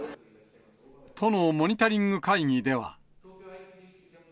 都のモニタリング会議では。